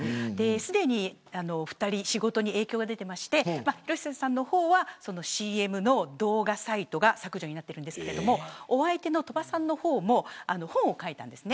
すでに２人仕事に影響が出ていて広末さんの方はＣＭの動画サイトが削除になっているんですがお相手の鳥羽さんの方も本を書いたんです。